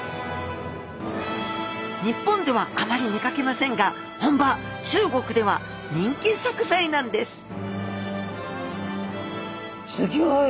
日本ではあまり見かけませんが本場中国では人気食材なんですすギョい。